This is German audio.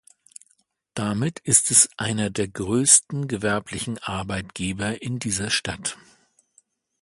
Damit ist es einer der größten gewerblichen Arbeitgeber in dieser Stadt.